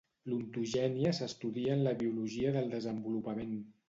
L'ontogènia s'estudia en la biologia del desenvolupament.